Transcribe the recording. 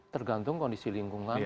tergantung kondisi lingkungan